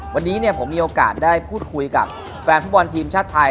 วันนี้ผมมีโอกาสได้พูดคุยกับแฟนฟุตบอลทีมชาติไทย